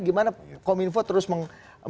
gimana kominfo terus mengapa namanya